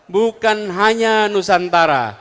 bukan hanya nusantara